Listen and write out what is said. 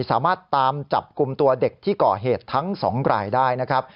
สามารถตามจับกลุ่มตัวเด็กที่ก่อเหตุทั้งสองรายได้นะครับ